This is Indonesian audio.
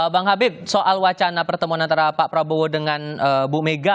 bang habib soal wacana pertemuan antara pak prabowo dengan bu mega